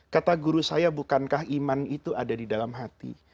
kata guru saya bukankah iman itu ada di dalam hati